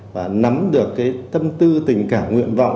và nắm được tâm tư tình cảm nguyện vọng